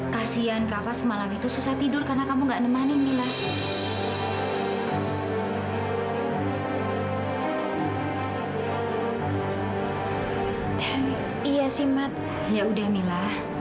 kasian kak fan nungguin kamu di rumah